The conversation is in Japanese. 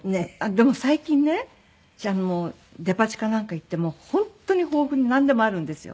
でも最近ねデパ地下なんか行っても本当に豊富になんでもあるんですよ。